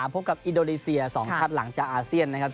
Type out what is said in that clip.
พบกับอินโดนีเซีย๒ชาติหลังจากอาเซียนนะครับ